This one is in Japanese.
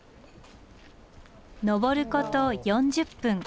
上ること４０分。